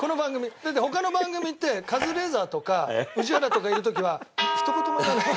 だって他の番組に行ってカズレーザーとか宇治原とかいる時はひと言も。